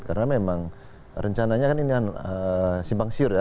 karena memang rencananya kan ini kan simpang siur ya